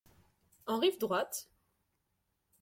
En rive droite,